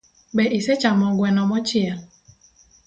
Be isechamo gweno mochiel?